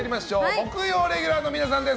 木曜レギュラーの皆さんです。